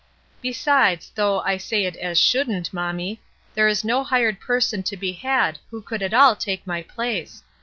Besides, though ' I say it as shouldn't', mommie, there is no hired person to be had who could at all take my place.